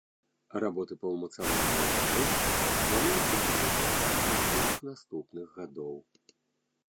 Работы па ўмацаванні гары плануецца працягнуць цягам двух наступных гадоў.